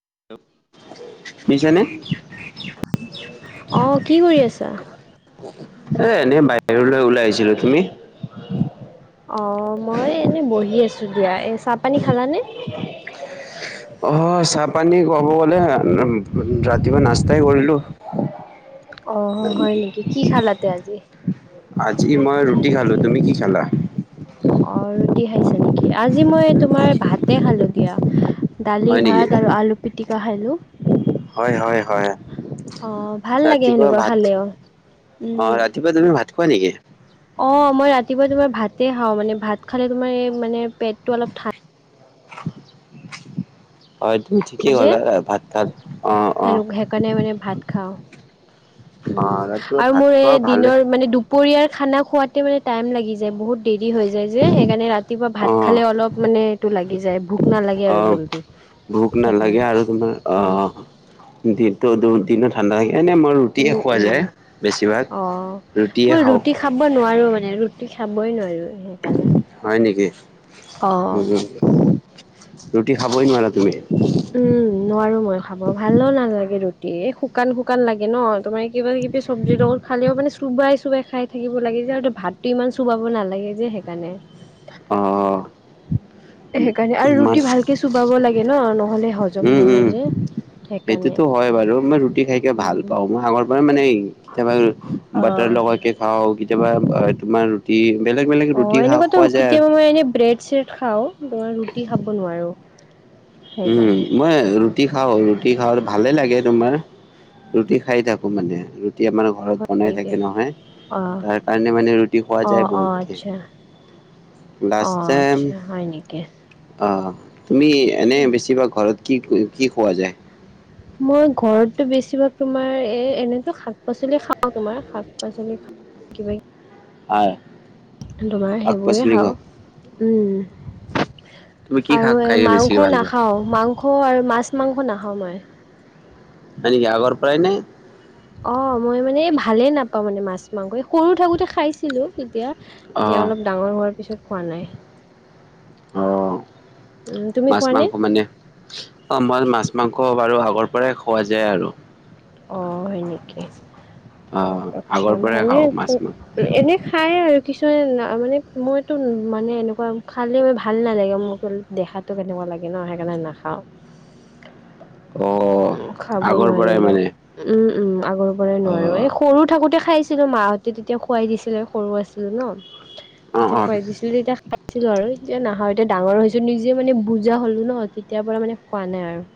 [unintelligible] শুনিছানে? অহ কি কৰি আছা এ এনেই বাহিৰলৈ ওলাই আহিছিলো তুমি অ মই এনে বহি আছো দিয়া এ চাহ পানী খালানে অ চাহ পানী কব গ'লে ৰাতিপুৱা নাস্তাই কৰিলো অ হয় নেকি কি খালাতে আজি আজি মই ৰুটি খালোঁ তুমি কি খালা অ ৰুটি খাইছা নেকি আজি মই তোমাৰ ভাতে খালো দিয়া দালি হয় নেকি? ভাত আৰু আলু পিটিকা খালো হয় হয় হয়। অ ভাল লাগে ৰাতিপুৱা সেনেকুৱা ভাত খালেও অ উম। 'ৰাতিপুৱা তুমি ভাত খোৱা নেকি অ মই ৰাতিপুৱাই তোমাৰ ভাতে খাওঁ মানে ভাত খালে তোমাৰ এই মানে পেটটো অলপ ঠাণ্ডা উম। অ একদম ঠিকেই যে গ'ল আৰু ভাত তাত অ অ সেনে সেইকাৰণে মানে ভাত খাওঁ। অ' উম ৰাতিপুৱা আৰু ভাত মোৰ খোৱা এই ভালে। দিনৰ মানে দুপৰীয়াৰ খানা খোৱাতে মানে টাইম লাগি যায় বহুত দেৰি হৈ যায় যে সেইকাৰণে ৰাতিপুৱা ভাত অ' খালে অলপ মানে এইটো লাগি যায় ভোক নালাগে আৰু অ' জল্দি ভোক নালাগে সেইকাৰণে আৰু তোমাৰ উম অ দিনটো দিনো ঠাণ্ডা থ এনেই মই ৰুটিয়ে উম খোৱা উম যায় বেছিভাগ ৰুটিয়ে খাওঁ। আৰু মানে ৰুটি খাবই নোৱাৰো সেইকাৰণে হয় নেকি অ উ ৰুটি খাবই নোৱাৰা তুমি উম নোৱাৰো মই খাব ভালো নালাগে ৰুটি এ শুকান শুকান লাগে ন তোমাৰ কিবা কিবি চব্জিৰ লগত খালেও মানে চোবাই চোবাই খাই থাকিব লাগে ভাতটো ইমান চুবাব নালাগে যে সেইকাৰণে অ সেইকাৰণে আৰু মান ৰুটি ভালকে চুবাব লাগে ন ন উম উম সেইকাৰণে সেইটোতো হয় বাৰু ই ৰুটি খাইকে ভাল উম পাওঁ মই আগৰ পৰা মানে কেতিয়াবা অ বাটাৰ লগাই কে খাওঁ। কেতিয়াবা তোমাৰ ৰুটি বেলেগ বেলেগ ৰুটি অ' খা এনেকুৱাতটো খোৱা যায় আৰু কেতিয়াবা মই এনে ব্ৰেড চেড খাও মই ৰুটি খাব নোৱাৰো উম সেইকাৰণে মই ৰুটি খাওঁ ৰুটি খাওঁ ভালে লাগে তোমাৰ ৰুটি খাই থাকো মানে। এতিয়া মানে ঘৰত বনাই থাকে নহয় অ তাৰ কাৰণে মানে ৰুটি খোৱা অ যায় অ আচ্ছা বহুতকে। অ লাষ্টাইম আচ্ছা হয় নেকি? আহ তুমি এনে বেছিভাগ ঘৰত কি কি খোৱা যায় মই ঘৰতটো বেছিভাগ তোমাৰ এ এনেতো শাক পাচলি খাও তোমাৰ শাক পাচলি খাও [inaudible] হয়। তোমাৰ সেইবোৰেই খাওঁ উ। তুমি কি শাক আৰু এ খাইকে বেছিকে মাংস ভাল পোৱা? নাখাও মাংস আৰু মাছ মাংস নাখাও মই। এই আগৰ পৰাই নে অ মই মানে ভালে নাপাওঁ মানে মাছ মাংস সৰু থাকোতে খাইছিলো তেতিয়া এতিয়া অঁ অলপ ডাঙৰ হোৱাৰ পিছত খোৱা নাই অ উম, তুমি 'মাছ খোৱানে? মাংস মানে আমাৰ মাছ মাংস বাৰু আগৰ পৰাই খোৱা যায় আৰু অ 'হয় নেকি অ অঁ আতছা আগৰ পৰাই ভালে খাওঁ মাছ মাংস। এনে খায় আৰু কিছুমানে কোনেওতো মানে এনেকুৱা খালে মই ভাল নালাগে মোক দেখাটো কেনেকুৱা লাগে ন সেইকাৰণে নাখাওঁ। অঁ উ খাব আগৰ পৰাই নোৱাৰিনো মানে উম। উম আগৰ পৰাই নোৱাৰো। অঁ এই সৰু থাকোতে খাইছিলো মাহঁতে তেতিয়া খোৱাই দিছিলে সৰু আছিলো ন। অঁ তেতিয়া অঁ খোৱাই দিছিলে তেতিয়া। খাইছিলো আৰু এতিয়া নাখাওঁ এতিয়া ডাঙৰ হৈছো নিজে মানে বুজা হ'লো ন তেতিাৰ পৰা মানে খোৱা নাই আৰু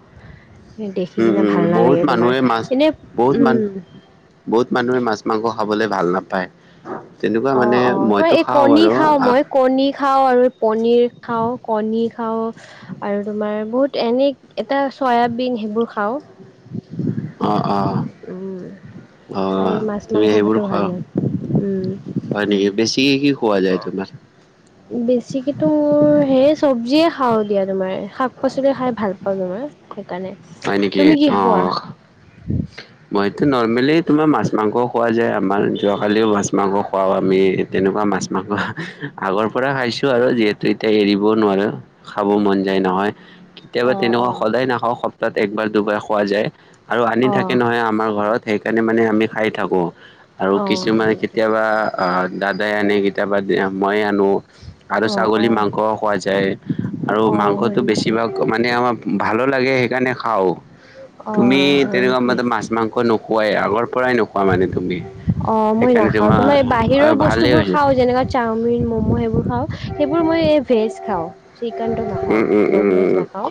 দেখি উম কিনে উম ভাল বহুত নালাগে তোমাৰ মানুহে মাছ এনে বহুত উম। মানুহ বহুত মানুহে মাছ মাংস খাবলে ভাল নাপায়। তেনেকুৱা মানে অ', অ তাৰ মইতো এই খাওঁ কণী বাৰু খাওঁ অঁ মই কণী খাওঁ আৰু পনীৰ খাওঁ কণী খাওঁ। খা আৰু তোমাৰ বহুত এনে এটা চয়াবিন সেইবোৰ খাও। অঁ অ। অ এই মাছ তুমি মাংস সেইবোৰ ভাতো খোৱা ভাল নাই খ নেকি বেছি কি খোৱা যায় তোমাৰ বেছিকিতো মোৰ সে চব্জিয়ে। খাওঁ দিয়া তোমাৰ শাক পাচলি খাই ভাল পাওঁ তোমাৰ। কাৰণে হয় নেকি? তুমি কি খোৱা। মই এইটো নৰ্মেলি তোমাৰ মাছ মাংসও খোৱা যায় আমাৰ যোৱাকালিও মাছ মাংস খুৱও আমি তেনেকুৱা। মাছ মাংস আগৰ পৰা খাইছো আৰু যিহেতু এতিয়া এৰিবও নোৱাৰো খাব মন যায় নহয়। কেতিয়াবা অ তেনেকুৱা অ সদায় নাখাওঁক সপ্তাহত একবাৰ দুবাৰ খোৱা যায় আৰু আনি অঁ থাকে নহয় আমাৰ ঘৰত। সেইকাৰণে মানে আমি খাই থাকো আৰু অঁ হয় কিছুমানে নেকি কেতিয়াবা দাদাই আনে কিতাবা ময়ে আনো। আৰু অঁ ছাগলী অঁ মাংসও খোৱা যায় আৰু অঁ হয় মাংসটো নেকি বেছিভাগ মানে আমাৰ ভালো লাগে সেইকাৰণে খাওঁ তুমি অঁ হয় তেনেকুৱা নেকি মতে মাছ মাংস নো খোৱাই আগৰ পৰাই নোখোৱা মানে তুমি। অ মই নাখাওঁ তোমাৰ বাহিৰৰ ভালেই বস্তুবোৰ হৈছে খাওঁ যেনেকুৱা চাওমিন, মমো সেইবোৰ খাওঁ সেইবোৰ। মই ভেজ খাওঁ। চিকেনটো নাখাওঁ উম, উম, নন উম, ভেজ উম উ নাখাওঁ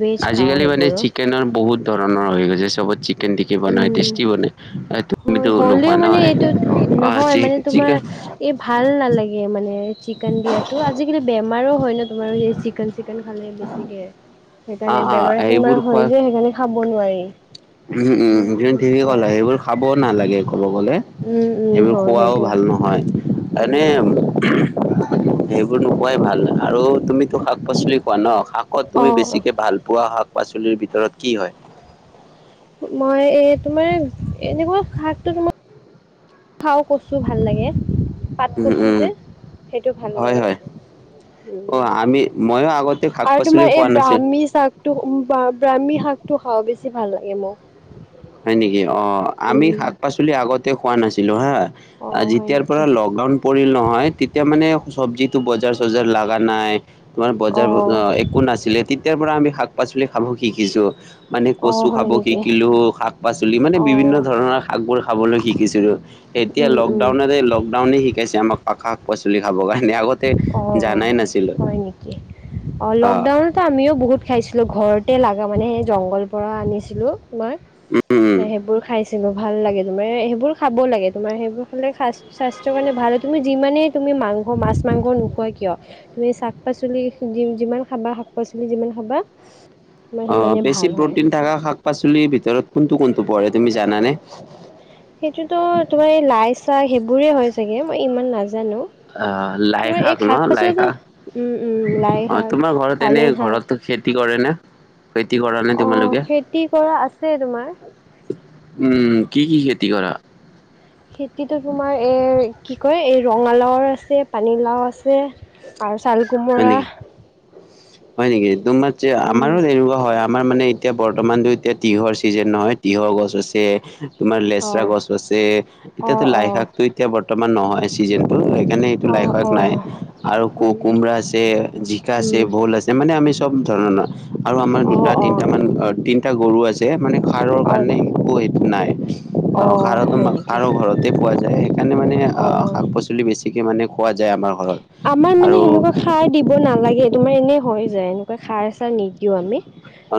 ভেজ খাওঁ আজিকালি মানে সেইবোৰো চিকেনৰ বহুত ধৰণৰ হৈ গৈছে। [unintelligible] তেনন্দেকি বনাই উম, টেষ্টি বনাই হয়, তুমো নোৱা হ'লেও ন মানে আহ, এইটো অ, নহয় মানে তোমাৰ চিকেন এই ভাল নালাগে মানে। চিকেন দিয়াতো আজিকালি বেমাৰো হয় ন তোমাৰো স চিকেন চিকেন খালে বেছিকে। অ সেইকাৰণে অ বেমাৰ সেইবোৰ চেমাৰ খোৱা হয় যে সেইকাৰণে খাব নোৱাৰি। উম, যেন উম, ঠিকে হয় ক'লা সেইবোৰ খাবওঁ নালাগে। ক'ব গ'লে উম, উম, সেইবোৰ হয় খোৱাও সেইটোৱে। ভাল নহয় উম, এনে। উম। সেইবোৰ নোপোৱাই ভাল আৰু তুমিতো শাক পাচলি খোৱা ন শাকত তুমি বেছি অ', পোৱা শাক পাচলিৰ ভিতৰত কি হয়। মই এ তোমাৰ এনেকুৱা শাকটো তোমাৰ। আৰু কছো ভাল লাগে। পাত উম কছো উম যে সেইটো ভাল হয় লাগে হয় উম। অ আমি ময়ো আগতে শাক আৰু পাচলি তোমাৰ এই খোৱা নাছিল ব্ৰাহ্মী শাকটো ব্ৰাহ্মী শাক টো খাও বেছি। পালোহি মোক হয় নেকি অ, আমি উম, শাক পাচলি আগতে খোৱা নাছিলো হা। অ', হয় যেতিয়াৰ নেকি? পৰা লকডাউন পৰিল নহয় তেতিয়া মানে চবজিত টো বজাৰ চজাৰ লগা নাই তোমাৰ বজাৰ অ', একো নাছিলে তেতিয়াৰ পৰা আমি শাক শাক পাচলি খাব শিকিছোঁ মানে কচু অ', হয় খাব নেকি? শিকিলোঁ শাক চুলি মানে বিভিন্ন অ', ধৰণৰ শাকবোৰ খাবলৈ শিকিছিলোঁ। এতিয়া উম, উম, লকডাউনেৰে লকডাউনে শিকাইছে আমাক শাক পাচলি খাবৰ কাৰণে আগতে অ জানাই নাছিলো হয় নেকি অ লকডাউনতো আমিও বহুত খাইছিলো। ঘৰতে লগা মানে সেই জংঘল পৰা আনিছিলো মই উম উম সেইবোৰ খাইছিলো। ভাল লাগে সেইবোৰ খাব লাগে। তোমাৰ সেই বোৰ সালে স্বাস্থ্য ভালে থাকে তুমি যিমানেই তুমি। মাংস, মাছ মাংস নোখোৱা কিয় তুমি শাক পাচলি যিমান খাবা শাক পাচলি যিমান খাবা তোমাৰ অ, সিমানেই বেছি ভাল হয় প্ৰটিন থকা শাক পাচলিৰ ভিতৰত কোনটো কোনটো পহ তুমি জানানে? সেইটোতো তোমাৰ এই লাই চাহ সেইবোৰে হয় চাগে মই ইমান নাজানো। অ লাই তোমাৰ শাক এই ন লাই পাচলিতো শাক উম উম লাই অ শাক তোমাৰ ঘৰত এনে পালেং শাক ঘৰতো খেতি খেতি কৰেনে খেতি কৰা নে অ তোমালোকে? খেতি কৰা আছে তোমাৰ উম কি কি খেতি কৰা? খেতিতো তোমাৰ এৰ কি কয় এই ৰঙালাওৰ আছে পানীলাও আছে আৰু চাল হয় কোমোৰা। নেকি? হয় নেকি তোমাৰ উম আমাৰো এনেকুৱা হয়। আমাৰ মানে এতিয়া বৰ্তমানতো এতিয়া তিহৰ চিজন নহয় তিঁহৰ গছ আছে। তোমাৰ অ', লেচৰা গছ আছে এতিয়াতো অ', অ', লাইশাকো এতিয়া বৰ্তমান নহয় চিজন সেইকাৰণে এইটো লাইক অ', নাই অ', আৰু হয় ক নেকি? কোমৰা আছে জিকা আছে উম, ভোল আছে মানে আমি চব ধৰণৰ আৰু আমাৰ দুটা অ', তিনটা অ', মান তিনটা গৰু আছে মানে সাৰৰ অ', কাৰণে একো নাই। সাৰো অ', হয় নেকি? সাৰো ঘৰতে পোৱা যায় সেইকাৰণে মানে অ', আহ অ শাক পাচলি বেছিকে মানে পোৱা যায় আমাৰ ঘৰত। আমাৰ মানে আৰু সেনেকুৱা খাৰ দিব নালাগে তোমাৰ এনে হৈ যায় এনেকুৱা খাৰ চাৰ নিদিও আমি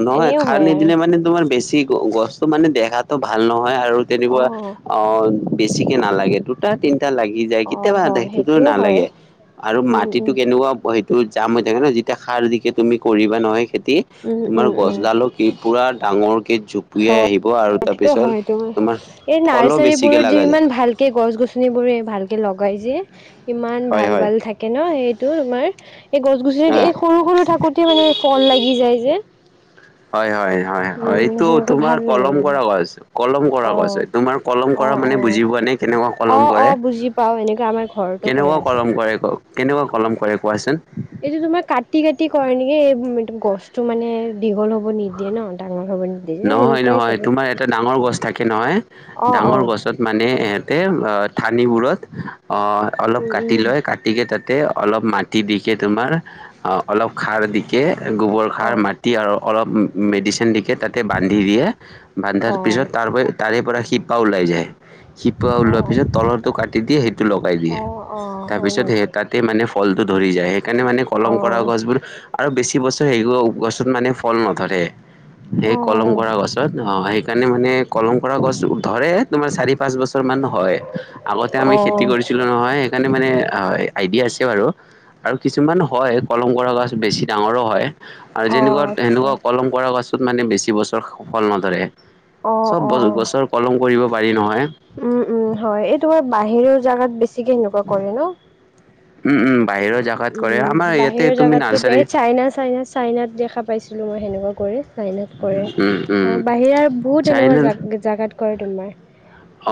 নহয় এনেও খাৰ হয় আৰু নিদিলে মানে তোমাৰ বেছি গছটো মানে দেখাটো ভাল নহয় হয় আৰু তেনেকুৱা অ বেছিকে নালাগে দুটা তি লাগি যায় অ', কেতিয়াবা হয় সেইটোতো সেইটোও হয় নালাগে আৰু উম, মাটিতো উম, কেনেকুৱা ত জাম হৈ থাকে ন যেতিয়া সাৰ দিকে তুমি কৰিবা নহয় খেতি উম, তোমাৰ গছডালো কি পুৰা ডাঙৰ স হয় তোমাৰ এই ফলো নাৰ্চাৰী বেছিকে বোৰত যে লগা যায় ইমান ভালকে গছ গছ গছনিবোৰে ভাল কেে লগাই যেিয় ইমান হয় ভাল হয় ভাল থাকে ন সেইটো তোমাৰ এই গছ অ গছনিত এই সৰু সৰু থাকোতে মানে ফল লাগি যায় যে। হয় হয় হয় হয় উম এইটো সেনেকুৱা তোমাৰ ভাল লাগে কলম মানে কৰা গছ। কলম কৰা অ কৈছে তোমাৰ কলম অ কৰা অ মানে বুজি পোৱা নাই কেনেকুৱা অ কলম অ কৰে বুজি পাও এনেকুৱা আমাৰ ঘৰতো কৰা কেনেকুৱা আছে কলম কৰে ক কেনেকুৱা কলম কৰে কোৱাচোন। এইটো তোমাৰ কাটি কাটি কৰে নেকি এই গছটো মানে দীঘল হব নিদিয়ে ন ডাঙৰ হ'ব নিদিয়ে যে সেনেকুৱাই চাগে। কে নহয় অ অ ডাঙৰ গছত মানে ইহঁতে থানিবোৰত অ', অলপ উম কাটি উম লয় কাটিকে তাতে অলপ মাটি দিকে তোমাৰ অলপ খাৰ দিকে গোবৰ অ খাৰ মাটি আৰু অলপ মেডিচিন দিকে তাতে বান্ধি দিয়ে বান্ধাৰ অ পিছত তাৰ তাৰে পৰা শিপা ওলাই যায়। শিপা অ ওলোৱাৰ পিছত তলৰটো কাটি দিয়ে সেইটো লগাই দিয়ে। অ অ হয় তাৰপিছত সেই নেকি তাতে মানে ফল টো ধৰি যায় সেইকাৰণে মানে কলম কৰা অ', গছবোৰ আৰু বেছি বছৰ সেই গছত মানে কল নধৰে সেই কলম অ', কৰা গছত অ স সেইকাৰণে মানে কলম কৰা গছ ধৰে তোমাৰ চাৰি পাঁচ বছৰ মান হয় আগতে আমি খেতি অ', কৰিছিলো নহয়। ণে মানে আইডিয়া আছে বাৰু। আৰু কিছুমান হয় কলম কৰা গছ বেছি ডাঙৰো হয়। আৰু যেনেকুৱা অ', আচ্ছা। সেনেকুৱা কলম কৰ কাছত মানে বেছি বছৰ সফল নধৰে। অ', চব বছ অ', গছৰ কলম কৰিব পাৰি নহয় উম উম হয় এই তোমাৰ বাহিৰৰ জাগাত বেছিকে সেনেকুৱা কৰে ন উম উম। বাহিৰৰ জাগাত কৰে আমাৰ উম ইয়াতে বাহিৰৰ তুমি জোগাতটোো নাৰ্চাৰী এই চাইনা চাইনা চাইনাত দেখা পাইছিলো মই সেনেকুৱা কৰি চাইনাত কৰে উম উম আৰু বাহিৰা বহুত এনেকুৱা চাইনাত জোগাত কৰে তোমাৰ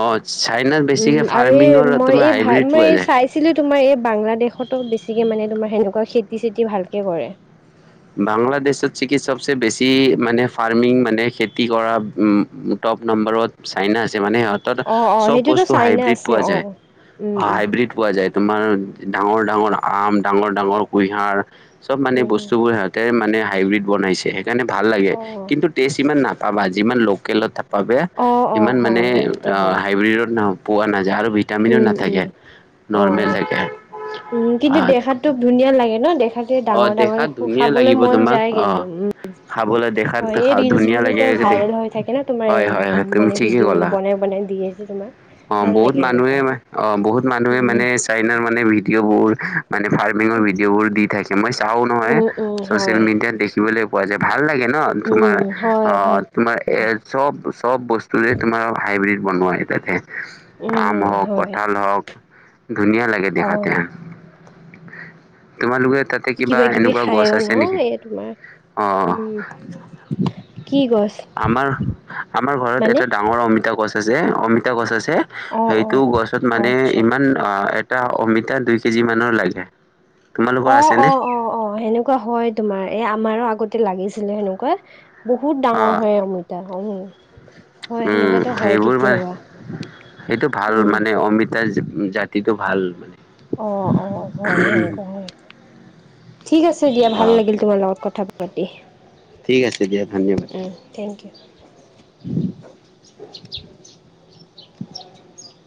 অ চাইনাত বেছিকে উম আৰু এই ফাৰ্মিঙৰ মই তোমাৰ এই ভ হাইব্ৰীড মই পোৱা যায় চাইছিলো তোমাৰ এই বাংলাদেশতো বেছি গতিকে মানে তোমাৰ সেনেকুৱা খেতি চেতি ভালকে কৰে বাংলাদেশত চ কি সবচে বেছি মানে ফাৰ্মিং মানে খেতি কৰা উ টপ নম্বৰ ত চাইনছ মানে সিহঁত অ', অ', চব সেইটোতো বস্তু চাইনা হাইব্ৰীড আছে পোৱা যায়। অ', উম, অহ উম, হাইব্ৰীড পোৱা যায়। তোমাৰ ডাঙৰ -ডাঙৰ আম ডাঙৰ -ডাঙৰ কুঁহিয়াৰ চব মানে উম, বস্তু। উম, সিহঁতে মানে হাইব্ৰীড বনাইছে সেইকাৰণে ভাল লাগে, অ'। কিন্তু টেষ্ট ইমান নাপাবা যিমান লোকেলত থাক বাবে অ', অ', ইমান মানে হয় সেইটোতো হয়, হাইব্ৰীডত পোৱা নাযায় আৰু ভিটামিনো উম, উম, নাথাকে নৰ্মেল অ'। থাকে। উম কিন্তু দেখাতো ধুনীয়া লাগে নহ দেখা তথাপিও অ ডাঙৰ ডাঙৰ দেখাত ধুনীয়া খাবলৈ লাগিব মন তোমাক যায় অ কিন্তু উম খাবলৈ দেখাত হয় এই ৰিলচ ধুনীয়া লাগে বোৰত দে ভাইৰেল হৈ থাকে নহ, তোমাৰ হয় হয় এই হয় তুমি মানে ঠিকেই ভিডিঅ' বোৰ ক'লা বনাই বনাই [unintelligible] দি আছে তোমাৰ। অ ভাল বহুত লাগে মানুহে সেনেকুৱা, অহ বহুত মানুহে উম, মানে চাই নহ মানে ভিডিঅ'বোৰ মানে ফাৰ্মিঙৰ ভিডিঅ' বোৰ দি থাকে মই চাও নহয়, উম, উম, হয়, চচিয়েল মিডিয়াত দেখিবলৈ পোৱা যায় ভাল লাগে। ন তোমাৰ উম, হয় অ ভাল তোমাৰ এ তেনেকুৱা, চব চব বস্তুৰে তোমাৰ হাইব্ৰিড বনাই তাতে আম উম, হওঁক হয়, কঁঠাল হওঁক ধুনীয়া লাগে দেখাতে, অ'। তোমালোকে তাতে কিবা কিবি এনেকুৱা গছ খাইও ন আছে নেকি? এই তোমাৰ, অহ, উম, কি গছ আমাৰ-আমাৰ ঘৰত মানে? এটা ডাঙৰ অমিতা গছ যে অমিতা গছ আছে অ', সেইটো অ', গছত অ', মানে আচ্ছা। ইমান অ, এটা অমিতা দুই কেজি মানৰ লাগে, তোমালোকৰ আছেনে। অহ, সেনেকুৱা হয় তোমাৰ এ আমাৰো আগতে লাগিছিলে সেনেকুৱা। বহুত অ ডাঙৰ হয় অমিতা হয় নে? উম, সেইবোৰ মা সেইটো ভাল উম। মানে অমিতাৰ জাতিটো ভাল মানে। অ', অ', হয় সেনেকুৱা হয়। ঠিক আছে দিয়া ভাল অ লাগিল তোমাৰ লগত কথা পাতি। ঠিক আছে দিয়া ধন্যবাদ। উম, থেংক ইউ। [unintelligible]